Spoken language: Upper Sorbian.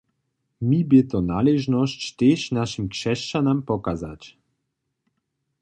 Mi bě to naležnosć, tež našim křesćanam pokazać.